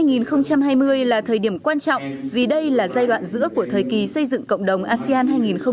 năm hai nghìn hai mươi là thời điểm quan trọng vì đây là giai đoạn giữa của thời kỳ xây dựng cộng đồng asean hai nghìn hai mươi năm